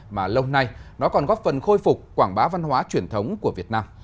mà lâu nay nó còn góp phần khôi phục quảng bá văn hóa truyền thống của việt nam